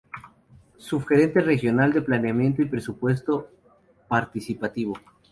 Subgerente Regional de Planeamiento y Presupuesto Participativo.